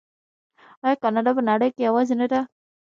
آیا کاناډا په نړۍ کې یوازې نه ده؟